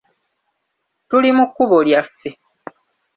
Tuli mu kkubo lyaffe.